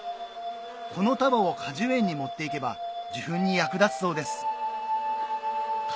この束を果樹園に持って行けば受粉に役立つそうですか